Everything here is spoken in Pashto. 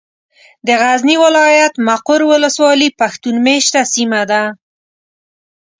د غزني ولايت ، مقر ولسوالي پښتون مېشته سيمه ده.